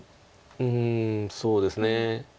うんそうですね。